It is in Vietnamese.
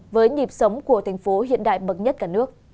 với nhịp sống của thành phố hiện đại bậc nhất cả nước